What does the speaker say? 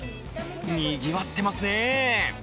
にぎわってますね。